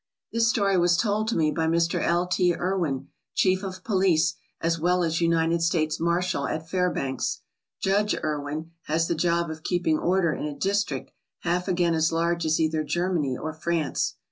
This story was told me by Mr. L. T. Erwin, Chief of Police as well as United States Marshal at Fairbanks. "Judge" Erwin has the job of keeping order in a district half again as large as either Germany or France.